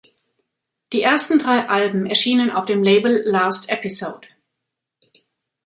Die ersten drei Alben erschienen auf dem Label Last Episode.